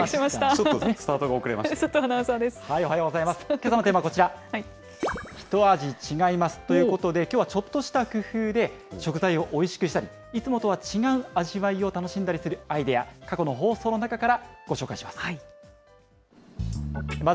けさのテーマはこちら、ひと味違いますということで、きょうはちょっとした工夫で、食材をおいしくしたり、いつもとは違う味わいを楽しんだりするアイデア、過去の放送の中からご紹介します。